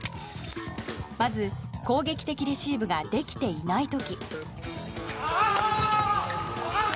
まず、攻撃的レシーブができていない時。